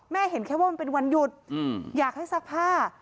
เห็นแค่ว่ามันเป็นวันหยุดอยากให้ซักผ้า